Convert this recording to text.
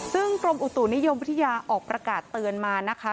ซึ่งกรมอุตุนิยมวิทยาออกประกาศเตือนมานะคะ